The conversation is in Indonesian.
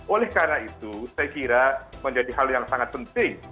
oleh karena itu saya kira menjadi hal yang sangat penting